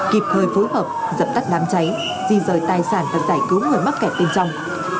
kịp thời phối hợp dập tắt đám cháy di rời tài sản và giải cứu người mắc kẹt bên trong